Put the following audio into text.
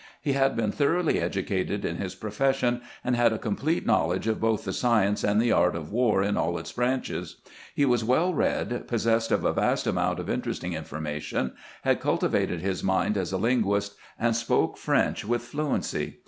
He had been thoroughly educated in his profession, and had a complete knowledge of both the science and the art of war in aU its branches. He was weU read, possessed of a vast amount of interesting information, had cultivated his mind as a linguist, and spoke French with fluency.